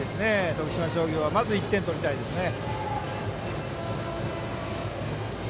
徳島商業はまず１点、取りたいですね。